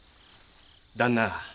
旦那。